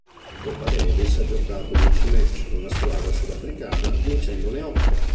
In Coppa Davis ha giocato dieci match con la squadra sudafricana vincendone otto.